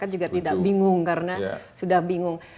juga tidak bingung karena sudah bingung